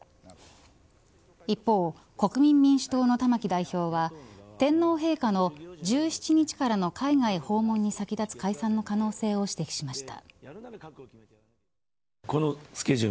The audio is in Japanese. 一方、国民民主党の玉木代表は天皇陛下の１７日からの海外訪問に先立つ解散の可能性を指摘しました。